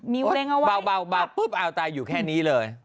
มิ้วเล็งเอาไว้เบาเอาตายอยู่แค่นี้เลย